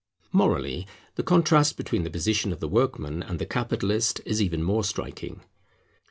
Morally, the contrast between the position of the workman and the capitalist is even more striking.